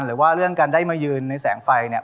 หรือว่าเรื่องการได้มายืนในแสงไฟเนี่ย